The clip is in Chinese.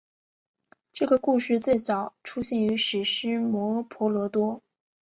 这个故事最早出现于史诗摩诃婆罗多。